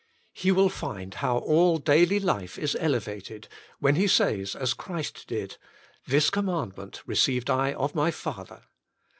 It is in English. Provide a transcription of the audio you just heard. He will find how all daily life is elevated, when he says as Christ did :" This commandment received I of My Father.'